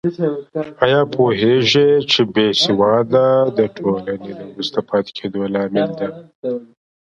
آیا پوهېږې چې بې سوادي د ټولنې د وروسته پاتې کېدو لامل ده؟